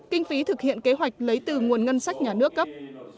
kinh phí thực hiện kế hoạch lấy từ nguồn ngân sách nhà nước cấp